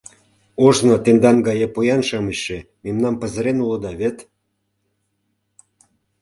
Ожно тендан гае поян-шамычше мемнам пызырен улыда вет...